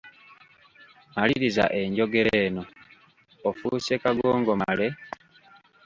Maliriza enjogera eno: Ofuuse kagongomale…